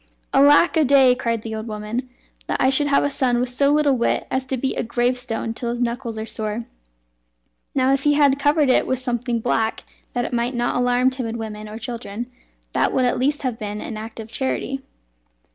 "Alack a day!" cried the old woman, "that I should have a son with so little wit as to beat a gravestone till his knuckles are sore! Now if he had covered it with something black that it might not alarm timid women or children, that would at least have been an act of charity."